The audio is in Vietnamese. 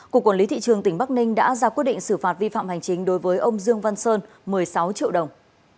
cục quản lý thị trường tỉnh bắc ninh đã ra quyết định xử phạt vi phạm hành chính đối với ông dương văn sơn một mươi sáu triệu đồng